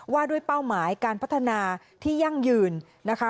ว่าด้วยเป้าหมายการพัฒนาที่ยั่งยืนนะคะ